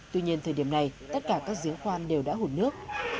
tuy nhiên thời điểm này tất cả các giếng khoan đều đã hụt nước